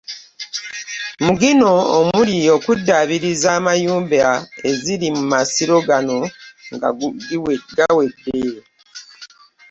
Mu gino omuli okuddaabiriza ennyumba eziri mu Amasiro gano nga gawedde.